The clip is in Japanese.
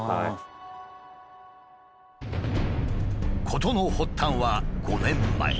事の発端は５年前。